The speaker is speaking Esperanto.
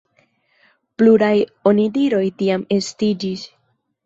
Pluraj onidiroj tiam estiĝis.